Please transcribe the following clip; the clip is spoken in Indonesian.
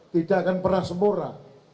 tidak akan pernah sempurna